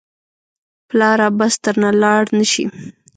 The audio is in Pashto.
پلاره بس درنه لاړ نه شې.